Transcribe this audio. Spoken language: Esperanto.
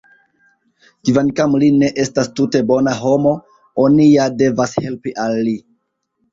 Kvankam li ne estas tute bona homo, oni ja devas helpi al li!